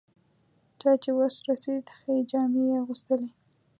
چا چې وس رسېد ښې جامې یې اغوستلې.